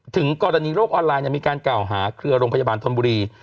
ถึงกรณีโลกออนไลน์มีการกล่าวหาเครือโรงพยาบาลธนบุรี